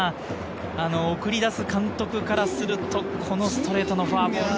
送り出す監督からすると、このストレートのフォアボール。